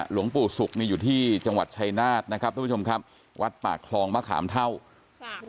หลวงปู่ศุกร์นี่อยู่ที่จังหวัดชายนาฏนะครับทุกผู้ชมครับวัดปากคลองมะขามเท่าค่ะ